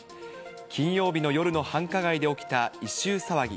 金曜日の夜の繁華街で起きた異臭騒ぎ。